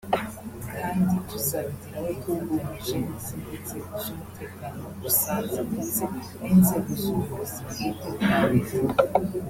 kandi tuzabigeraho dufatanyije n’izindi nzego z’umutekano dusanze ndetse n’inzego z’ubuyobozi bwite bwa Leta”